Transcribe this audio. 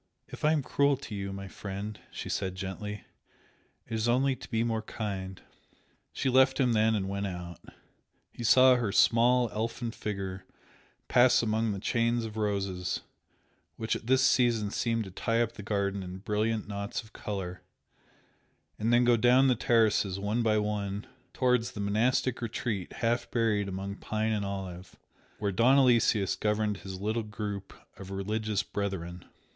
"If I am cruel to you, my friend" she said, gently, "it is only to be more kind!" She left him then and went out. He saw her small, elfin figure pass among the chains of roses which at this season seemed to tie up the garden in brilliant knots of colour, and then go down the terraces, one by one, towards the monastic retreat half buried among pine and olive, where Don Aloysius governed his little group of religious brethren.